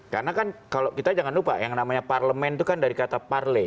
karena kan kalau kita jangan lupa yang namanya parlemen itu kan dari kata parle